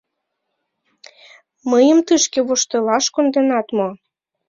— Мыйым тышке воштылаш конденат мо?